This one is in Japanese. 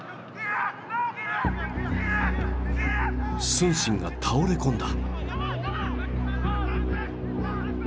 承信が倒れ込んだ。